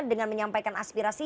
dengan menyampaikan aspirasi